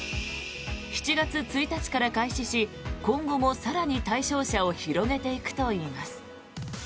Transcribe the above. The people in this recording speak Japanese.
７月１日から開始し今後も更に対象者を広げていくといいます。